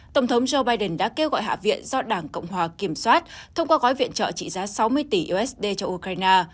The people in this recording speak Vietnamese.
tổng thống joe biden đã kêu gọi hạ viện do đảng cộng hòa kiểm soát thông qua gói viện trợ trị giá sáu mươi tỷ usd cho ukraine